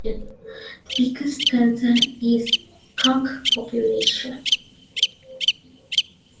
The biggest concern is the skunk population.